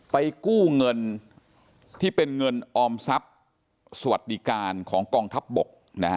กู้เงินที่เป็นเงินออมทรัพย์สวัสดิการของกองทัพบกนะฮะ